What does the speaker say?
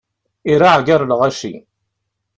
Iraε gar lɣaci.